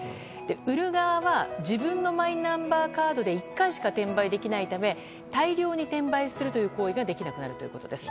売る側は自分のマイナンバーカードで１回しか転売できないため大量に転売する行為ができなくなるということです。